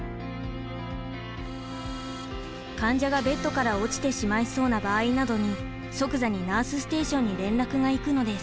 患者がベッドから落ちてしまいそうな場合などに即座にナースステーションに連絡がいくのです。